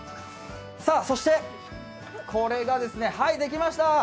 そして、これが、はい、できました。